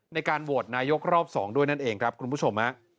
ในการโหวตนายกรอบ๒ด้วยนั่นเองครับคุณผู้ชมฮะ